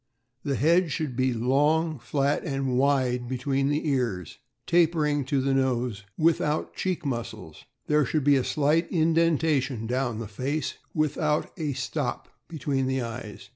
— The head should be long, flat, and wide between the ears, tapering to the nose, without cheek muscles. There should be a slight indentation down the face, without a "stop" between the eyes.